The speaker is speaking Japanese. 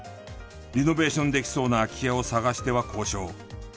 リノベーションできそうな空き家を探しては交渉。